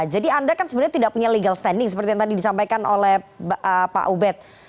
jadi anda kan sebenarnya tidak punya legal standing seperti yang tadi disampaikan oleh pak ubed